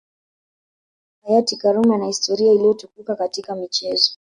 Hayati Karume ana historia iliyotukuka katika michezo